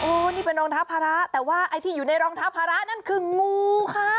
นี่เป็นรองเท้าภาระแต่ว่าไอ้ที่อยู่ในรองเท้าภาระนั่นคืองูค่ะ